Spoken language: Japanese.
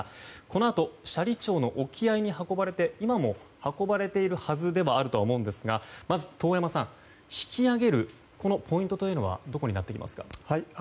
このあと斜里町の沖合に運ばれて今も運ばれているはずではあるとは思うんですがまず、遠山さん引き揚げるポイントというのはどこになってきますか？